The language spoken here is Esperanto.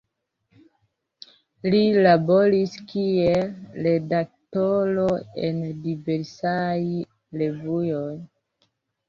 Li laboris kiel redaktoro en diversaj revuoj.